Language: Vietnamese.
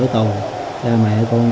thì chọn chơi lúc mà chưa trúng số